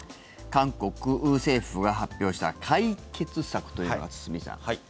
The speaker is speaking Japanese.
韓国政府が発表した解決策というのは、堤さん。